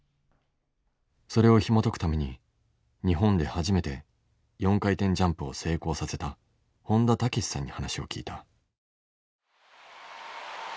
それをひもとくために日本で初めて４回転ジャンプを成功させた本田武史さんに話を聞いた。